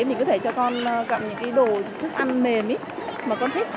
mình có thể cho con gặm những cái đồ thức ăn mềm ấy mà con thích